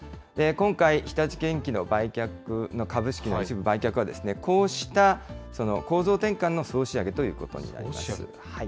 今回、日立建機の株式の一部売却は、こうした構造転換の総仕上げということになります。